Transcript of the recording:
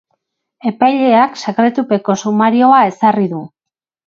Epaileak sekretupeko sumarioa ezarri du.